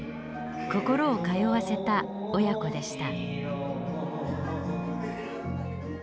心を通わせた親子でした。